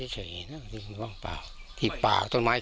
ไม่มีไม่มีไม่มีปล่อยจริงไว้เนี่ย